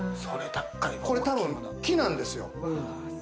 これ、たぶん木なんですよ。